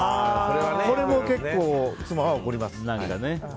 これも結構、妻は怒ります。